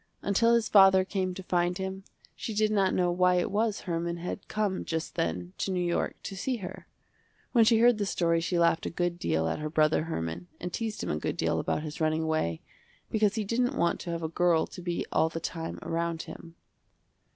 Until his father came to find him, she did not know why it was Herman had come just then to New York to see her. When she heard the story she laughed a good deal at her brother Herman and teased him a good deal about his running away, because he didn't want to have a girl to be all the time around him.